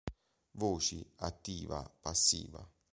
Voci: attiva, passiva.